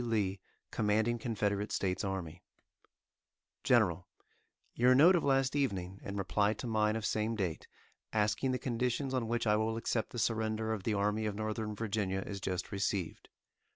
Lee, Commanding Confederate States Army:_ GENERAL: Your note of last evening, in reply to mine of same date, asking the conditions on which I will accept the surrender of the Army of Northern Virginia is just received.